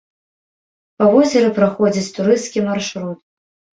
Па возеры праходзіць турысцкі маршрут.